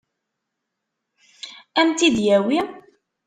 Ad m-tt-id-yawi?